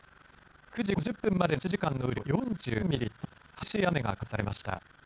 ９時５０分までの１時間の雨量４３ミリと激しい雨が観測されました。